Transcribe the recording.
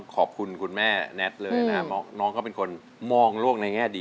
กระแซะเข้ามาสิ